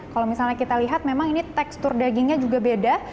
kalau misalnya kita lihat memang ini tekstur dagingnya juga beda